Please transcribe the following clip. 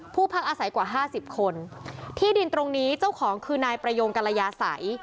พักอาศัยกว่าห้าสิบคนที่ดินตรงนี้เจ้าของคือนายประโยงกรยาศัย